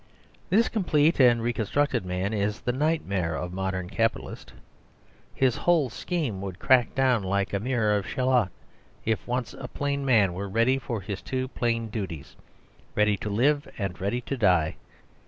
This complete and reconstructed man is the nightmare of the modern capitalist. His whole scheme would crack across like a mirror of Shallot, if once a plain man were ready for his two plain duties ready to live and ready to die.